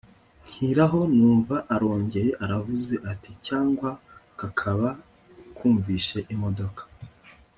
nkiraho numva arongeye aravuze ati cyangwa kakaba kumvishe imodoka